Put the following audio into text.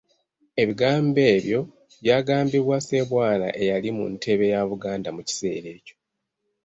Ebigambo ebyo byagambibwa Ssebwana eyali mu ntebe ya Buganda mu kiseera ekyo.